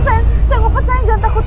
jangan takut jangan takut